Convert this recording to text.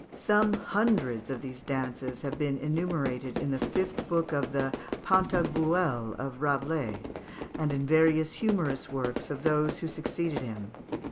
Some hundreds of these dances have been enumerated in the fifth book of the "Pantagruel" of Rabelais, and in various humorous works of those who succeeded him.